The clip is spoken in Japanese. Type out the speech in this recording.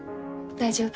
大丈夫。